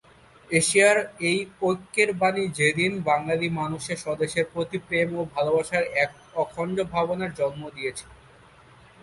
এশিয়ার এই ঐক্যের বাণী সেদিন বাঙালি মানসে স্বদেশের প্রতি প্রেম ও ভালোবাসার এক অখণ্ড ভাবনার জন্ম দিয়েছিলো।